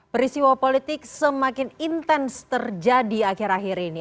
peristiwa politik semakin intens terjadi akhir akhir ini